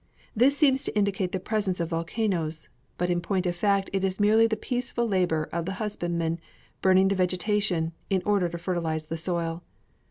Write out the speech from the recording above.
This seems to indicate the presence of volcanoes, but in point of fact it is merely the peaceful labor of the husbandmen burning the vegetation, in order to fertilize the soil.